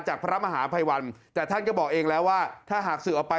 จากพระมหาภัยวันแต่ท่านก็บอกเองแล้วว่าถ้าหากสื่อออกไป